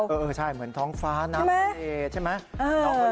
เออใช่เหมือนท้องฟ้าน้ำทะเลใช่ไหม